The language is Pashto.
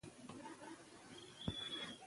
بانکونه د ملي بودیجې په راټولولو کې مرسته کوي.